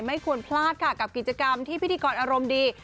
ไม่ควรพลาดค่ะกับกิจกรรมที่พิธีกรอารมณ์ดี